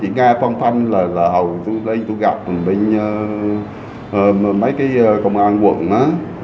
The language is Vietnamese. chỉ nga phân phân là hầu đây tôi gặp bên mấy cái công an quận á